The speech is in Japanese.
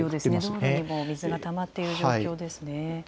道路にも水がたまっている状況です。